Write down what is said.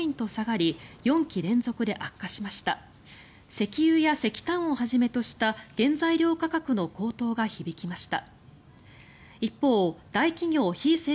石油や石炭をはじめとした原材料価格の高騰が響きました。